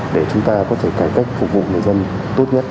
để chúng ta có thể cải cách phục vụ người dân tốt nhất